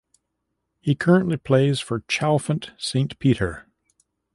He currently plays for Chalfont Saint Peter.